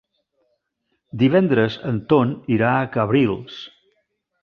Divendres en Ton irà a Cabrils.